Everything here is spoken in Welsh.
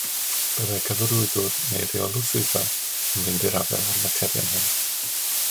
Byddai cyfarwyddwr neu reolwr swyddfa yn mynd i'r afael â'r materion hyn